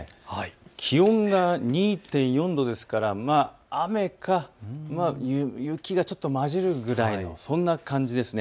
気温が２．４度ですから雨に雪がちょっと交じるぐらいのそんな感じですね。